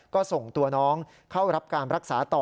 ก็ส่งตัวน้องเข้ารับการรักษาต่อ